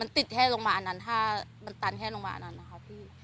มันติดแค่โรงพยาบาลอันนั้นมันตันแค่โรงพยาบาลอันนั้นนะครับพี่